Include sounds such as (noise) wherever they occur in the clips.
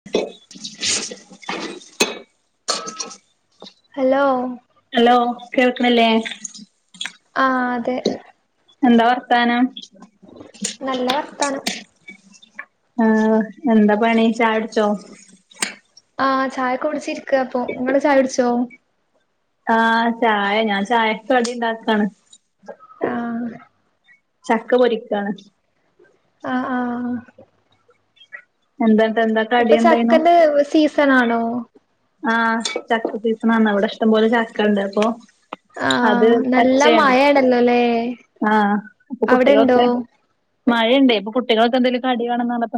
(inaudible) Hello. Hello കേൾക്ക്ണില്ലേ? ആഹ് അതെ. എന്താ വർത്താനം? നല്ല വർത്താനം. ആഹ് എന്താ പണി ചായ കുടിച്ചോ? ആഹ് ചായൊക്കെ കുടിച്ചിരിക്കാ ഇപ്പൊ ഇങ്ങൾ ചായ കുടിച്ചോ ആഹ് ചായ ഞാൻ ചായക്ക് കടി ഇണ്ടാക്കാണ് ആഹ് ചക്ക പൊരിക്കാണ് ആഹ് ആഹ് എന്താട്ട് എന്താ കടി ഇപ്പൊ എന്തായിനു ചക്കന്റെ സീസണാണോ ആഹ് ചക്കസീസണാന്ന് ഇവിടെ ഇഷ്ടംപോലെ ചക്കണ്ട് അപ്പൊ അത് ആഹ് നല്ല പച്ചയാണ് മഴയാണ്ന്നല്ലേ ആഹ് അപ്പൊ കുട്ടികളൊക്കെ മഴയുണ്ടേ അപ്പൊ കുട്ടികളൊക്കെ എന്തെങ്കിലും കടി വേണെന്ന് പറഞ്ഞപ്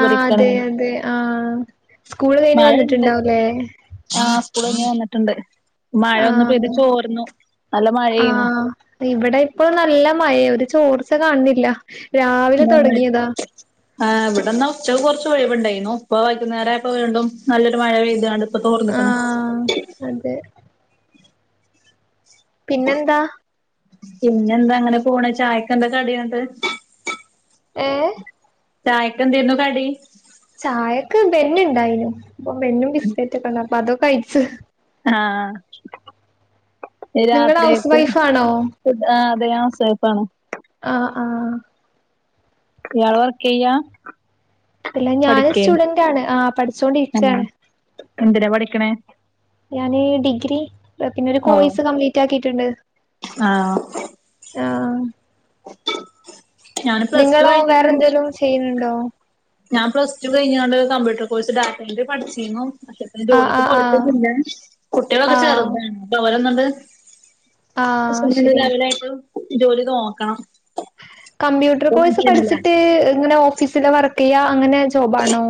ആഹ് അതെ അതെ ആഹ് സ്കൂള് കഴിഞ്ഞ് മഴണ്ട് വന്നിട്ടുണ്ടാവുല്ലേ ആഹ് സ്കൂൾ കഴിഞ്ഞ് വന്നിട്ടുണ്ട് മഴ ഒന്ന് പെയ്ത് ആഹ് ചോർന്നു നല്ല മഴെയ്ന്നു പ്പ ഇവിടെ ഇപ്പോ നല്ല മഴയാ ഒരു ചോർച്ച കാണുന്നില്ല രാവിലെ (inaudible) തുടങ്ങിയതാ ആഹ് ഇവിടൊന്ന് ഉച്ചക്ക് കുറച്ച് ഒഴിവുണ്ടായിന്നു. ഇപ്പ വൈകുന്നരായപ്പ വീണ്ടും നല്ലൊരു മഴ പെയ്തുകാണ്ട് ഇപ്പ തോർന്ന്ക്ക്ണ് ആഹ് (unintelligible) പിന്നെന്താ പിന്നെന്താ അങ്ങനെ പോണ് ചായക്കെന്താ കടിയന്നട്ട് ഏഹ് ചായക്കെന്തേര്ന്നു കടി ചായക്ക് ബെന്നുണ്ടായിനു അപ്പൊ ബെന്നും ബിസ്ക്കറ്റ് ഒക്കെ ഉണ്ട് അപ്പൊ അതൊക്കെയിച്ചു ആഹ് നിങ്ങള് ഹൗസ് രാത്രിയത്ത് വൈഫ് ആണോ ഫുഡ് ആഹ് അതെ ഞാൻ സേഫാണ് ആഹ് ആഹ് ഇയാൾ വർക്കെയ്യാ ഇല്ല ഞാന് സ്റ്റുഡന്റ് ആണ് ആ പഠിച് തന്നെ എന്തിനാ പഠിക്കണേ ഞാന് ഡിഗ്രി പിന്നൊരു ഓഹ് കോഴ്സ് കംപ്ലീറ്റ് ആക്കീട്ടുണ്ട് ആഹ് ആഹ് ഞാന് പ്ലസ് ടു നിങ്ങളോ വേറെ കഴിഞ്ഞിങ്ങാണ്ട് എന്തേലും ചെയ്യുന്നുണ്ടോ ഞാൻ പ്ലസ് ടു കഴിഞ്ഞ്ങ്ങാണ്ട് കമ്പ്യൂട്ടർ കോഴ്സ് ഡാറ്റഎൻട്രി പഠിച്ചീന്നു ഞാൻ ആഹ് ജോലിക്ക് ആഹ് ആഹ് പോയിട്ടൊന്നില്ലാ കുട്ടികളൊക്കെ ആഹ് ചെറുതാണ് അപ്പൊ അവരൊന്നൊണ്ട് ആഹ് ശരി (unintelligible) ഒരു ജോലി നോക്കണം കമ്പ്യൂട്ടർ ഇപ്പൊന്നും കോഴ്സ് ചെയ്യുന്നില്ല പഠിച്ചിട്ട് ഇങ്ങനെ ഓഫീസില് വർക്ക് ചെയ്യാ അങ്ങനെ ജോബ് ആണോ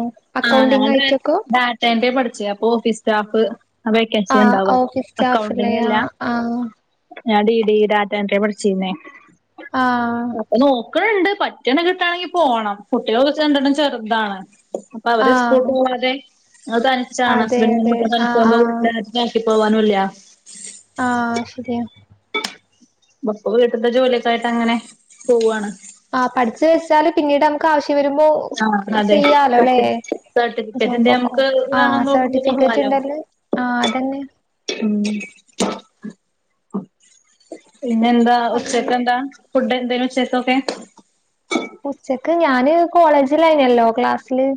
അക്കൗണ്ടിംഗ് ആയിട്ടൊക്കോ (unintelligible) പഠിച്ചെയാ അപ്പൊ ഓഫീസ് സ്റ്റാഫ് ആ വേക്കൻസി ആഹ് ഉണ്ടാവാ ഓഫീസ് സ്റ്റാഫല്ലേ അക്കൗണ്ടിങ്ങല്ലാ ആഹ് ആഹ് ഞാൻ ഡീ ഡി ഡാറ്റ എൻട്രി പഠിച്ചീന്നേ ആഹ് നോക്കണണ്ട് പറ്റണ കിട്ടാണെങ്കി പോണം കുട്ടികള്ന്ന്ച്ചാ രണ്ടെണ്ണം ചെറുതാണ് അപ്പ അവര് സ്‌കൂൾ ആഹ് പൂവാതെ ഞങ്ങൾ തനിച്ചാണ് അതെ ഹസ്ബൻഡും അതെ കുട്ട്യോളു ആഹ് (unintelligible) ആഹ് ങ്ങും ആക്കി പോവാനുംല്യ ആഹ് ശരിയാ. ബ പ്പ വീട്ട്ത്തെ ജോലിയൊക്കായിട്ട് അങ്ങനെ പോവാണ്. ആഹ് പഠിച്ചു വെച്ചാല് പിന്നീട് നമുക്ക് ആവശ്യം വരുമ്പോ ആഹ് അതെ ചെയ്യാലോ ല്ലേ. സർട്ടിഫിക്കറ്റിന്റെ ജോബൊക്കൊ നമുക്ക് വേണം ആഹ് തോന്നുമ്പോ പോവാലോ സർട്ടിഫിക്കറ്റ്ണ്ടേല്. ആഹ് അതന്നെ. ഉം പിന്നെന്താ അങ്ങനെ ഉച്ചക്കെന്താ ഫുഡ് എന്തേനു ഉച്ചക്കൊക്കെ? ഉച്ചക്ക് ഞാന് കോളേജിലായിന്യല്ലോ ക്ലാസ്സില്.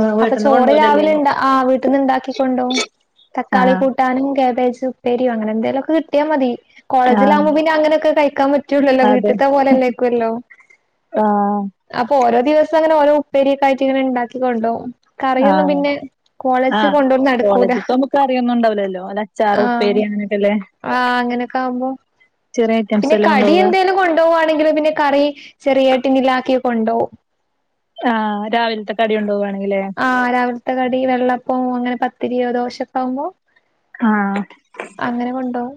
ആഹ് അപ്പ വീട്ട്ന്ന് ചോറ് കൊണ്ടോവലല്ലേ രാവിലെ ണ്ടാ ആഹ് വീട്ട്ന്ന് ഇണ്ടാക്കിക്കൊണ്ടോകും. തക്കാളി ആഹ് കൂ ട്ടാനും കാബേജ് ഉപ്പേരിയും അങ്ങനെ എന്തെലുംക്കെ കിട്ടിയാ മതി. കോളേജില് ആഹ് ആകുമ്പോ പിന്നെ അങ്ങനൊക്കെ കഴിക്കാൻ പ റ്റൂലല്ലോ അതെ വീട്ട്ത്തെ പോലെല്ലേയ്ക്കൊല്ലോ. ആഹ് അപ്പൊ ഓരോ ദിവസം അങ്ങനെ ഓരോ ഉപ്പേരി യൊക്കെ ആയിട്ട് ഇങ്ങനെ ഉണ്ടാക്കികൊണ്ടോവും. ആഹ് ആഹ് കൊണ്ടോവല് നടക്കൂല കോളേജ്ത്താവുമ്പം കറിയൊന്നുംണ്ടാവൂല്ലല്ലോ അല്ലെ അച്ചാറ് ആഹ് ഉപ്പേരി അങ്ങന്യൊക്കല്ലെ. ആഹ് അങ്ങനൊക്കാവുമ്പോ ഐറ്റംസ് പിന്നെ അല്ലേ കടി കൊണ്ടോവാ എന്തെലും കൊണ്ടോവാണെങ്കില് പിന്നെ കറി ചെറിയ ടിന്നിലാക്കി കൊണ്ടോവും. ആഹ് രാവിലത്തെ കടി കൊണ്ടോവാണെങ്കി ല്ലേ. ആഹ് രാവിൽത്തെ കടി വെള്ളപ്പം അങ്ങനെ പത്തിരിയോ ദോശൊക്കെ ആവുമ്പോ. ആഹ് അങ്ങനെ കൊണ്ടോവും.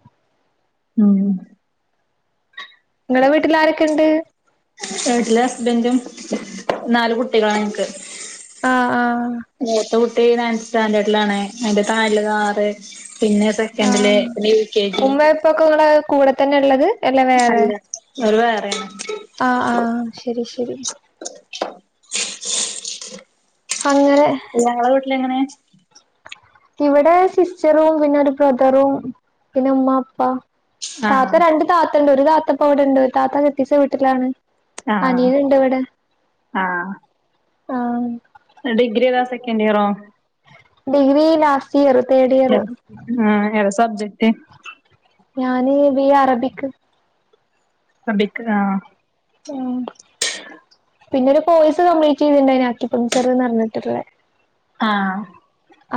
ഉം ഇങ്ങളെ വീട്ടിലാരെക്കെണ്ട്? വീട്ടില് ഹസ്ബൻഡും നാലു കുട്ടികളാ ഇൻക്ക്. ആഹ് ആഹ് മൂത്ത കു ട്ടി നയൺത് സ്റ്റാൻഡേർഡിലാണ്. അതിൻ്റെ താഴെല്ലത് ആറ്, പിന്നെ സെ ക്കെൻ്റ്ല് ആഹ് പിന്നെ യു കെ ജി. ഉമ്മ ഇപ്പൊക്കെ ഇങ്ങളെ കൂടെ തന്നെ ള്ളത്? എല്ല വേറെ. അല്ല ഓര് വേറെയാണ് ആഹ് ആഹ് ശരി ശരി. ഹങ്ങനെ ഇയ ഇങ്ങളെ വീട്ടിലെങ്ങനെ? ഇവടെ സിസ്റ്ററും പിന്നെ ഒരു ബ്രദറും പിന്നെ ഉമ്മ ഉപ്പ. താത്ത ആഹ് രണ്ട് താത്ത ണ്ട്. ഒരു താത്ത ഇപ്പവടെണ്ട്. ഒരു താത്ത കെട്ടിച്ച വീട്ടിലാണ്. ആഹ് അനിയന് ഇണ്ട് വടെ ആഹ് ആഹ്. ഡിഗ്രി ഏതാ, സെക്കൻഡ് ഇയറോ? ഡിഗ്രി ലാസ്റ്റ് ഇയർ തേഡ് ഇയർ. ആഹ് ഏതാ സബ്ജക്റ്റ്? ഞാന് ബി എ അറബിക്. റബിക് ആഹ്. ഉം. പിന്നെ ഒരു കോഴ്സ് കംപ്ലീറ്റ് ചെയ്തിണ്ടായിന് അക്കിപ്പങ്ജർന്ന് പർഞ്ഞിട്ട്ള്ളെ. ആഹ്.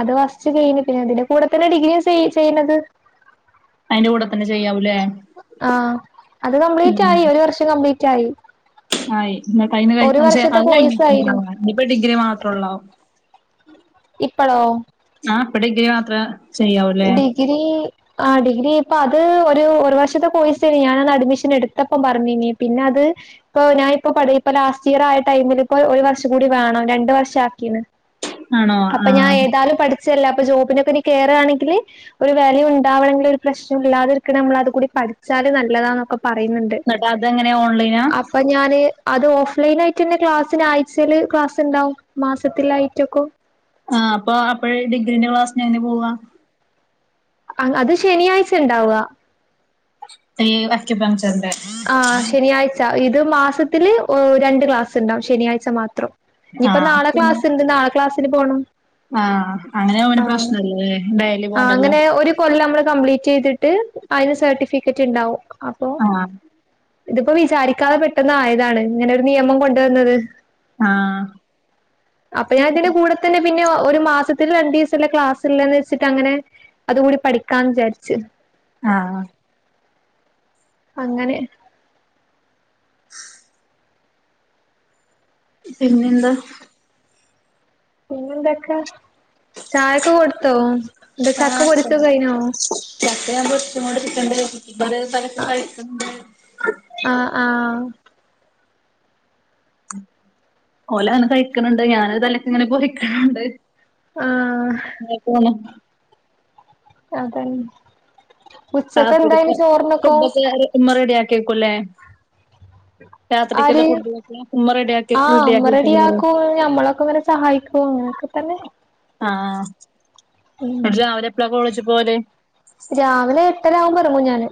അത് ഫസ്റ്റ് ചെയ്ണത് പിന്നെ അതിന്റെ കൂടെ തന്നെ ഡിഗ്രിം സെയ് ചെയ്യ്ണത്. അയിന്റെ കൂടെ തന്നെ ചെയ്യാവൂലേ ആഹ് അത് ഉം കംപ്ലീറ്റായി ഒരു വർഷം കംപ്ലീറ്റായി. ആയി. ഇന്നട്ടയ്ന് കഴ് പക്ഷെ അത് കഴിഞ്ഞ് കോഴ്സ് (unintelligible) ആയിനു ആഹ് ഇനിപ്പ ഡിഗ്രി മാത്രൊള്ളോ. ഇപ്പളോ ആഹ് (unintelligible) ചെയ്യാവൂല്ലേ ഡിഗ്രി ആഹ് ഡിഗ്രി ഇപ്പ അത് ഒരു ഒരു വർഷത്തെ കോഴ്സെയ്ന് ഞാനന്ന് അഡ്മിഷൻ എടുത്തപ്പം പറഞ്ഞീനി പിന്നെ അത് ഇപ്പൊ ഞാൻ ഇപ്പോ ഇപ്പ ലാസ്റ്റ് ഇയർ ആയ ടൈമിൽ ഇപ്പോ ഒരു വർഷം കൂടി വേണം രണ്ട് വർഷം ആക്കീണ് ആണോ അപ്പൊ ഞാൻ ആഹ് ഏതായാലും പഠിച്ചല്ലേ അപ്പൊ ജോബിനൊക്കെനി കേറാണെങ്കി ഒരു വിലയുണ്ടാവണമെങ്കിൽ ഒരു പ്രശ്നം ഇല്ലാതിരിക്ക നമ്മള് അത് കൂടി പഠിച്ചാല് നല്ലതാന്നൊക്കെ പറ- പറയുന്നുണ്ട് എന്നിട്ട് അതെങ്ങനെ ഓൺലൈനാ അപ്പ- ഞാന് അത് ഓഫ്‌ലൈനായിട്ട് തന്നെ ക്ലാസ്സിന് ആഴ്ചയില് ക്ലാസ് ഉണ്ടാവും മാസത്തിലായിട്ടൊക്കെ ആഹ് അപ്പോ അപ്പോഴ്‌ ഡിഗ്രീന്റെ ക്ലാസിന് എങ്ങനെ പോവാ അ അത് ശനിയാഴ്ച ഉണ്ടാവുക ഈ അക്യുപഞ്ചറിന്റെ ആഹ് ശനിയാഴ്ച ഇത് മാസത്തില് രണ്ട് ക്ലാസ്സ്ണ്ടാവും ശനിയാഴ്ച മാത്രം ഇനിയിപ്പൊ ആഹ് നാളെ പിന്നെ ക്ലാസ്ണ്ട് നാളെ ക്ലാസ്സിന് പോണം ആഹ് അങ്ങനെ ആവുമ്പം പ്രശ്ന ഇല്ലല്ലേ ഡെയ്ലി പോണ്ടല്ലോ ഈ കൊല്ലം നമ്മൾ കപ്ലീറ്റ് ചെയ്തിട്ട് അയിന് സർട്ടിഫിക്കറ്റ് ഉണ്ടാവും അപ്പോ ആഹ് ഇതിപ്പോ വിചാരിക്കാതെ പെട്ടെന്ന് ആയതാണ് ഇങ്ങനെ ഒരു നിയമം കൊണ്ടുവന്നത് ആഹ് അപ്പൊ ഞാൻ ഇതിന്റെ കൂടെ തന്നെ പിന്നെ ഒരു മാസത്തില് രണ്ട് ദിവസല്ലേ ക്ലാസ് ഇള്ളേന്ന് വെച്ചിട്ട് അങ്ങനെ അതു കൂടി പഠിക്കാന്ന് വിചാരിച്ചു ആഹ് അങ്ങനെ (inaudible) പിന്നെന്താ പിന്നെന്തൊക്കാ ചായൊക്കെ കൊടുത്തോ എന്താ ചക്ക പൊരിച്ചത് കഴിഞ്ഞോ ആഹ് ആഹ് (unintelligible) ആഹ് ആഹ് ഓലങ്ങനെ കഴിക്കണണ്ട് ഞാന് (unintelligible) ആഹ് അങ്ങനെ പോണു അതെ രാത്രിക്കത്തെ ഉച്ചക്കെന്തായിന് ചോറിനൊക്കെ ഫുഡൊക്കെ ഉമ്മ റെഡിയാക്കി വെക്കുല്ലേ രാത്രിക്കുള്ള ആര് ഫുഡൊക്കെ ഉമ്മ റെഡിയാക്കി ആഹ് അമ്മ റെഡിയാക്കി വെക്കുല്ലേ റെഡിയാക്കും ഞമ്മളൊക്കെ ഇങ്ങനെ സഹായിക്കും അങ്ങനൊക്കെ തന്നെ ആഹ് ഉം എന്നിട്ട് രാവിലെ എപ്പോളാ കോളേജി പോവല് രാവിലെ എട്ടര ആകുമ്പോ ഇറങ്ങും ഞാന്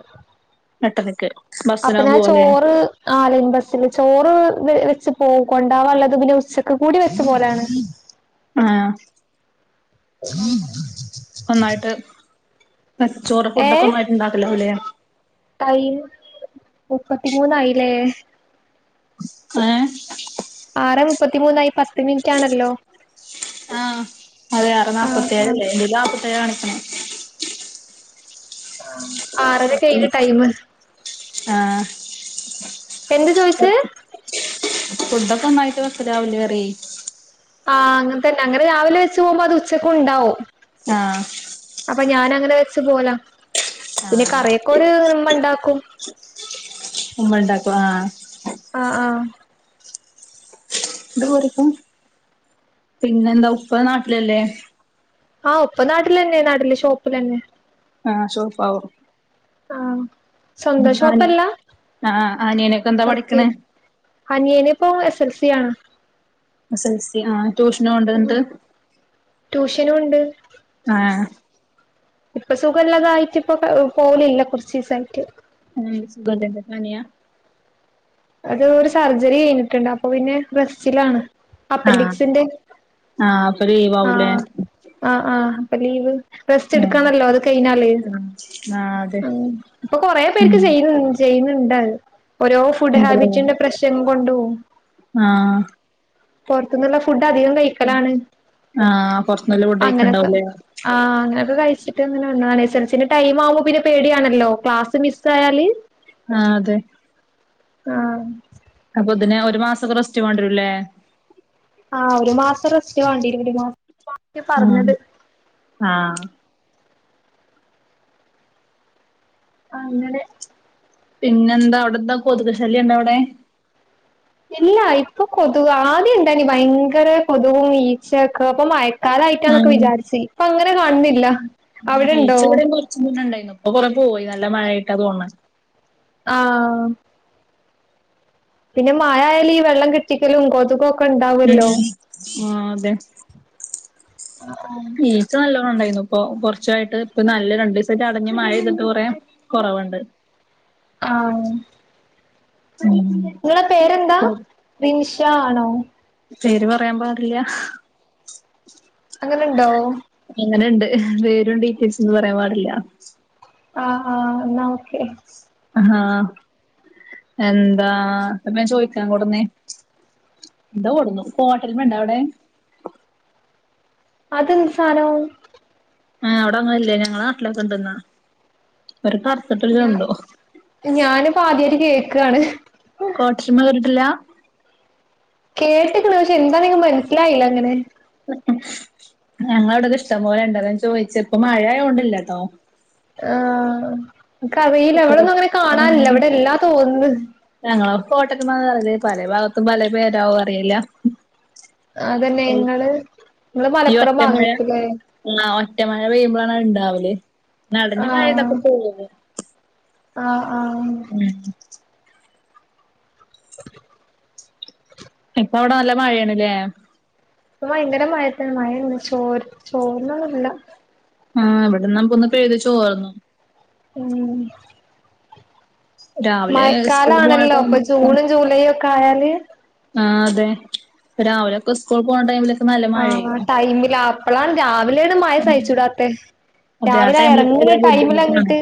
എട്ടരയ്ക്ക് അപ്പ ഞാൻ ചോറ് ആഹ് ലൈൻ ബസ്സില് ചോറ് വെച്ച് പോ കൊണ്ട് പോവാള്ളുത് പിന്നെ ഉച്ചക്കൂടി വെച്ച് പോവലാണ് ആഹ് ഒന്നായിട്ട് ചോറ് ഫുഡൊക്കെ ഒന്നായിട്ട് ഇണ്ടാക്കി (unintelligible) ടൈമ് മുപ്പത്തിമൂന്നായില്ലേ ഏഹ് ആറ് മുപ്പത്തി മൂന്നായി പത്ത് മിനിറ്റാണല്ലോ ആഹ് അതെ ആറ് ആഹ് ആഹ് നാല്പത്തേഴല്ലേ എൻ്റേലും നാല്പ്പത്തിേഴാ കാ ണിക്കണ ആഹ് ഉം ആഹ് എന്ത് ചോയിച്ചേ ഫുഡൊക്കെ ഒന്നായിട്ട് വെക്കും രാവിലെ വറി ആഹ് അങ്ങനെ തന്നെ അങ്ങനെ രാവിലെ വെച്ച് പോവുമ്പോ അത് ഉച്ചക്ക്‌ണ്ടാവും ആഹ് അപ്പൊ ഞാൻ അങ്ങനെ വെച്ച് പോവലാ പിന്നെ കറിയൊക്കെ ഒരു ഇമ്മ ഉണ്ടാക്കും ഉമ്മണ്ടാക്കുആഹ് ആ ആ ഇത് മോറിക്ക പിന്നെന്ത ഉപ്പ നാട്ടിലല്ലേ ആഹ ഉപ്പാ നാട്ടിൽ തന്നെ നാട്ടില് ഷോപ്പിൽ തന്നെ ആഹ ഷോപ്പാവും ആഹ് (unintelligible) സ്വന്തം ഷോപ്പല്ല ആഹ ആനിയനൊക്കെ എന്താ പഠിക്കണ് അനിയനിപ്പൊ എസ് എസ് എൽ സി ആണ് എസ് എസ് എൽ സി ആ ട്യൂഷന് പോവ്ണ്ടൊന്നട്ട് ട്യൂഷനും ഉണ്ട്. ആഹ ഇപ്പൊ സുഖല്ലാതായിട്ട് ഇപ്പൊ പോവലില്ല കുറച്ച് ദിവസം ആയിട്ട് ഏ സുഖല്ലെ എന്ത പനിയ അത് ഒരു സർജറി കഴിഞ്ഞിട്ടുണ്ട് അപ്പൊ പിന്നെ റെസ്റ്റിലാണ് ആഹ് അപ്പന്റിക്സിന്റെ ആഹ് അപ്പൊ ആ ലീവാവൂല്ലേ അ ആ അപ്പൊ ലീവ് റസ്റ്റ് ആഹ് എടുക്കണല്ലൊ അത് കഴിഞ്ഞാല് ആഹ് അതെ ഇപ്പൊ കൊറേ ഉം പേർക്ക് ചെയ്യുന്നുണ്ട് ചെയ്യുന്നുണ്ടത് ഓരോ ഫുഡ് ഹാബിറ്റിന്റെ പ്രശ്നങ്ങൾ കൊണ്ടും ആഹ പുറത്തുന്നുള്ള ഫുഡ് അധികം കഴിക്കലാണ് ആഹ് പൊറത്ത്ന്നല്ല ഫുഡ് അങ്ങനെയൊക്കെ കഴിക്ക്ണ്ടാവുംല്ലേ ആഹ് അങ്ങനൊക്കെ കഴിച്ചിട്ട് അങ്ങനെ വന്നതാണെയ് സെൽഫിന്റെ ടൈം ആവുമ്പൊ പിന്നെ പേടിയാണല്ലോ ക്ലാസ് മിസ് ആയാല് ആഹ അതെ ആഹ് അപ്പൊ പിന്നെ ഒരു മാസൊക്കെ റസ്റ്റ് വാണ്ടിവെരുല്ലേ ആഹ ഒരു മാസം റെസ്റ്റ് വേണ്ടി വരും മാസം ഉ ആഹ ആ അങ്ങനെ പിന്നെ എന്താ അവിടെന്താ കൊതുക് ശല്യം ഉണ്ടോ അവിടെ ഇല്ല ഇപ്പൊ കൊതു ആദ്യം ഇണ്ടായിനി ഭയങ്കര കൊതുകും ഈച്ചയൊക്കെ ഇപ്പ മഴക്കാലായിട്ടാന്നൊക്കെ ആഹ് വിചാരിച്ച് ഇപ്പൊ അങ്ങനെ കാണുന്നില്ല ആ ഈച്ച അവിടെണ്ടോ ഇവിടെയും കൊറച്ച് മുന്നെ ഉണ്ടായിരുന്നു ഇപ്പൊ കൊറേ പോയി നല്ല മഴ ആയിട്ടാണ് തോന്നുന്നു ആഹ പിന്നെ മഴ ആയാലും ഈ വെള്ളം കെട്ടിക്കലും കൊതുകൊക്കെ ഉണ്ടാവല്ലോ ആഹ് അതെ ആഹ ആഹ് ഈച്ച നല്ലോണ്ണം ഉണ്ടായിരുന്നു ഇപ്പൊ കൊറച്ചായിട്ട് ഇപ്പ നല്ല രണ്ട് ദിവസമായിട്ട് അടഞ്ഞ് മഴ പെയ്തിട്ട് കുറേ കുറവുണ്ട് ആഹ ഉം നിങ്ങളെ പേരെന്താ റിൻഷ ആണോ പേര് പറയാൻ പാടില്ല അങ്ങനെണ്ടോ അങ്ങനെണ്ട് പേരും ഡീറ്റെയിൽസ് ഒന്നും പറയാൻ പാടില്ല ആഹ് ആഹ് എന്നാ ഓക്കെ ആഹ് എന്താ ഇപ്പൊ ചോയ്ക്കാൻ കൊടന്നെ എന്തോ കൊടുന്നു കോട്ടെര്മ്മ ഇണ്ടോ അവിടെ അതെന്ത സാനം ആഹ് അവിടെ അങ്ങന ഇല്ലലെ ഞങ്ങളെ നാട്ടിലൊക്കെണ്ട്ന്ന ഒരു കറുത്തിട്ട് ഒരു ജന്തു ഞാനിപ്പൊ ആദ്യായിട്ട് കേക്കാണ് കോട്ടര്മ കേട്ടിട്ടില്ല കേട്ട്ക്ക്‌ണ് പക്ഷെ എന്താന്നിന്ക്ക്‌ മനസ്സിലായില്ല അങ്ങനെ ഞങ്ങവിടെ ഇഷ്ടം പോലെ ഉണ്ടത് അത ഞാൻ ചോദിച് ഇപ്പൊ മഴയോണ്ടില്ലട്ടോ ആഹ് ക്കറീല ഇവിടൊന്നും അങ്ങനെ കാണാനില്ല ഇവിടെ ഇല്ലാ തോന്ന്ന്ന് ഞങ്ങളൊക്കെ കോട്ടര്മ എന്ന പറയല് പല ഭാഗത്തും പല പേരവും അറിയില്ല അതന്നെ നിങ്ങള് നിങ്ങള് ഈ മലപ്പുറം ഒറ്റ മഴ ഭാഗയിരിക്കും ലേ ആഹ് ഒറ്റ മഴ പെയ്യുമ്പോഴാണ് ഉണ്ടാവല് നടഞ്ഞ മഴ ആഹ് ഇതൊക്കെ പോവേ. ആഹ് ആഹ് ഉം അ ഇപ്പ അവിടെ നല്ല മഴയണല്ലേ ഇപ്പ ഭയങ്കര മഴത്ത് മഴ ചോ ചോറിന്നൊന്നുല്ല ആഹ് എവിടെന്ന്പൊന്ന് പഴുത് ചോർന്നു ഉം ഉം രാവിലെ മഴക്കാല സ്കൂൾ പോണ ആണല്ലോ ഇപ്പൊ ടൈമിലൊക്കെ ജൂണും ജൂലൈയും ഒക്കെ ആയാല് ആഹ് അതെ രാവിലെ ഒക്കെ സ്കൂൾ പോകണ ടൈമില് ആഹ് ടൈമില്ല അപ്പളാണ് രാവിലെണ് മഴ ഉം സഹിച്ചൂടാത്തെ അതെ ആ രാവിലെ ടൈമില് പെയ്താ ഇറങ്ങുന്ന ടൈമില് ബുദ്ധിമുട്ടാണ്. അങ്ങട്ട്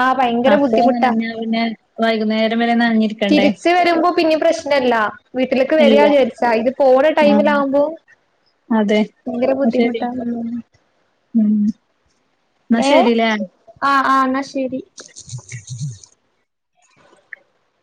ആഹ് ഭയങ്കര അപ്പൊ ബുദ്ധിമുട്ടാ നനഞ്ഞാ പിന്നെ വൈകുന്നേരം വരെ നനഞ്ഞ് ഇരി തിരിച്ച് വരുമ്പോ പിന്നെ പ്രശ്നല്ല വീട്ടിലേക്ക് വരിക ഇല്ല. വിചാരിച്ചാ ഇത് പോണ ടൈമില ആഹ് ആവുമ്പോ അതെ ശരിയ ഉം ഉം എന്നാ ഏഹ് ശരില്ലേ ആഹ് ആഹ് എന്നാ ശരി